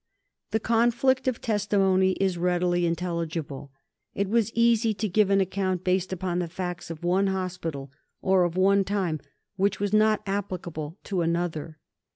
The conflict of testimony is readily intelligible. It was easy to give an account based upon the facts of one hospital or of one time which was not applicable to another.